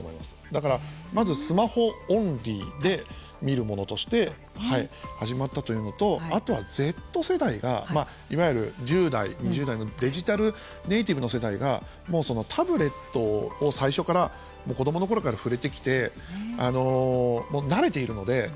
だから、まずスマホオンリーで見るものとして始まったというのとあとは、Ｚ世代がいわゆる１０代、２０代のデジタルネイティブの世代がタブレットを最初から子どものころから触れてきて慣れているので。